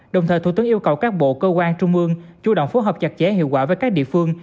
đồng thời thủ tướng yêu cầu các bộ cơ quan trung ương chủ động phối hợp chặt chẽ hiệu quả với các địa phương